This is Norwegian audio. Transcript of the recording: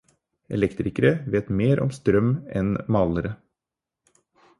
Elektrikere vet mer om strøm enn malere.